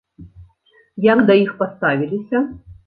Як да іх паставіліся?